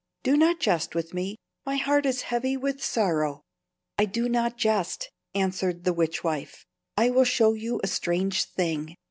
Do not jest with me; my heart is heavy with sorrow." "I do not jest," answered the witchwife. "I will show you a strange thing.